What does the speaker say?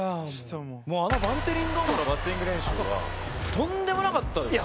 あのバンテリンドームのバッティング練習はとんでもなかったですよ。